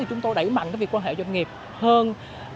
thì chúng tôi đẩy mạnh cái việc quan hệ doanh nghiệp hơn